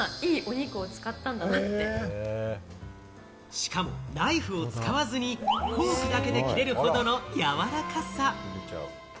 しかもナイフを使わずにフォークだけで切れるほどの柔らかさ。